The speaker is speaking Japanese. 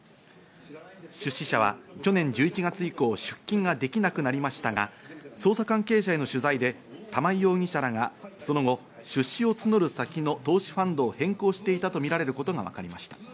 出資者は去年１１月以降、出金ができなくなりましたが、捜査関係者への取材で玉井容疑者らがその後、出資を募る先の投資ファンドを変更していたとみられることがわかりました。